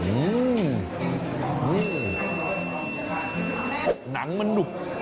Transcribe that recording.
อื้อหือน้ำมันหนุบ